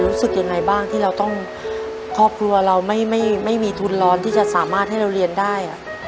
รู้สึกยังไงบ้างที่เราต้องครอบครัวเราไม่มีทุนร้อนที่จะสามารถให้เราเรียนได้